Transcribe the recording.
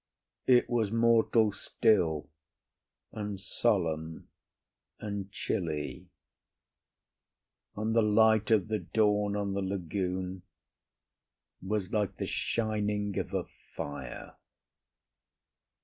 It was mortal still and solemn and chilly, and the light of the dawn on the lagoon was like the shining of a fire.